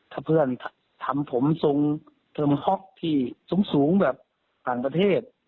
ถ้าเพื่อนทำผมทรงสูงแบบต่างประเทศ